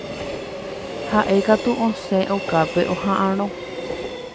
Ha'ékatu osẽ okápe oha'ãrõ.